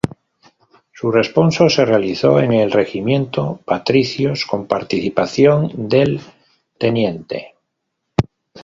Su responso se realizó en el Regimiento I Patricios, con participación del Tte.